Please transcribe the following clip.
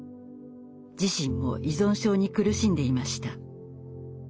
自身も依存症に苦しんでいました。